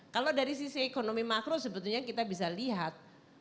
kalau dari sisi ekonomi makro sebetulnya kita bisa lihat